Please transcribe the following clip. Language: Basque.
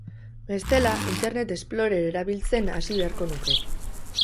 Bestela, Internet Explorer erabiltzen hasi beharko nuke.